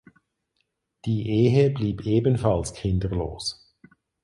Die Ehe blieb ebenfalls kinderlos.